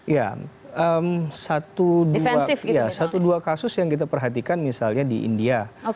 ya satu dua kasus yang kita perhatikan misalnya di india